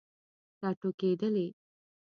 راټوکیدلې